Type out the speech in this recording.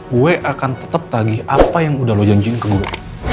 gue akan tetap tagih apa yang udah lo janjin ke gue